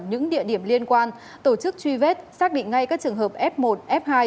những địa điểm liên quan tổ chức truy vết xác định ngay các trường hợp f một f hai